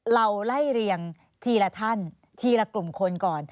เราไล่เรียงทีละท่านทีละกลุ่มคนก่อน